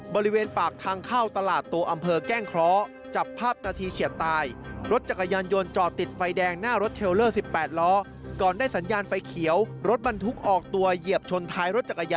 บริเวณปากทางเข้าตลาดตัวอำเภอแก้งเคราะห์